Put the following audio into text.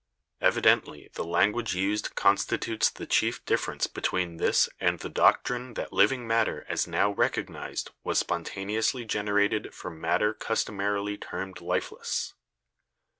Evidently the language used constitutes the chief difference between this and the doctrine that living matter as now recognised was spontaneously generated from matter customarily termed lifeless.